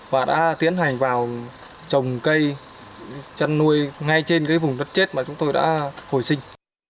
và đã tiến hành vào trồng cây chăn nuôi ngay trên cái vùng đất chết mà chúng tôi đã hồi sinh